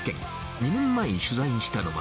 ２年前に取材したのは、